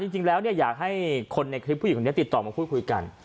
จริงแล้วอยากให้คนในคลิปผู้หญิงติดต่อมาพูดคุยกัน